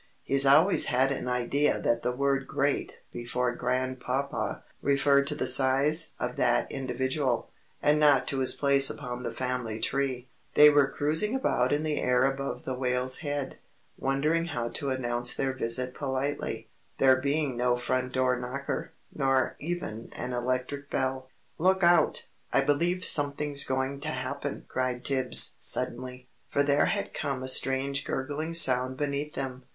He always had an idea that the word "great" before "grandpapa" referred to the size of that individual, and not to his place upon the family tree. [Illustration: Skipper Blubberkins.] They were cruising about in the air above the Whale's head, wondering how to announce their visit politely, there being no front door knocker, nor even an electric bell. "Look out! I believe something's going to happen!" cried Tibbs, suddenly. For there had come a strange gurgling sound beneath them.